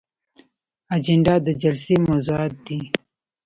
اجنډا د جلسې موضوعات دي